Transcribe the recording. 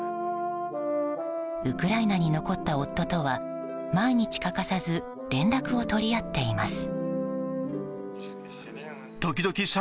ウクライナに残った夫とは毎日欠かさず連絡を取り合っています。